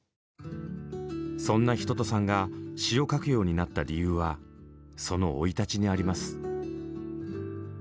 そんな一青さんが詩を書くようになった理由はその生い立ちにあります。